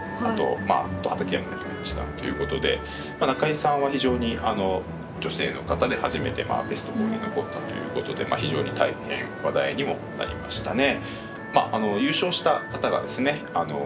中井さんは非常にあの女性の方で初めてベスト４に残ったということで非常に大変話題にもなりましたね。